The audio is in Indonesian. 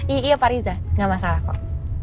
iya iya pak riza gak masalah kok